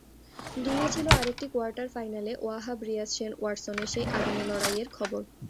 দুইয়ে ছিল আরেকটি কোয়ার্টার ফাইনালে ওয়াহাব রিয়াজ-শেন ওয়াটসনের সেই আগুনে লড়াইয়ের খবর।